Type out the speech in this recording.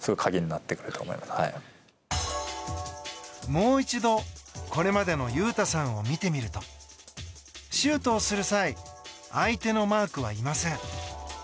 もう一度、これまでの雄太さんを見てみるとシュートをする際相手のマークはいません。